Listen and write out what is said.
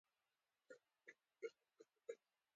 زه فکر کوم دایو قصدي عمل دی.